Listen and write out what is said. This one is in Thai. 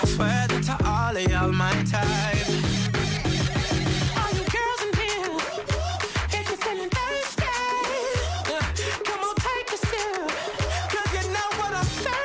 สวะลาลาลา